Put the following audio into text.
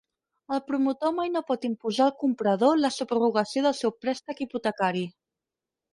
El promotor mai no pot imposar al comprador la subrogació del seu préstec hipotecari.